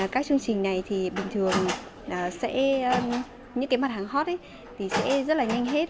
các chương trình này thì bình thường những cái mặt hàng hot ấy thì sẽ rất là nhanh hết